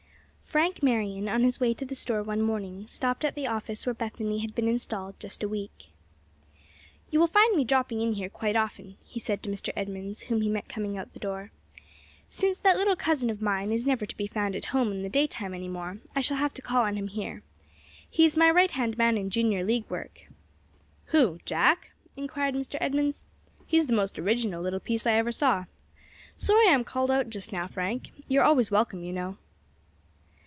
FRANK Marion, on his way to the store one morning, stopped at the office where Bethany had been installed just a week. "You will find me dropping in here quite often," he said to Mr. Edmunds, whom he met coming out of the door. "Since that little cousin of mine is never to be found at home in the day time any more, I shall have to call on him here. He is my right hand man in Junior League work." "Who? Jack?" inquired Mr. Edmunds. "He's the most original little piece I ever saw. Sorry I'm called out just now, Frank. You're always welcome, you know."